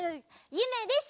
ゆめです！